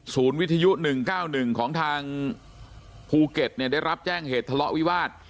ศูนย์วิทยุหนึ่งเก้าหนึ่งของทางภูเก็ตเนี่ยได้รับแจ้งเหตุทะเลาะวิวาส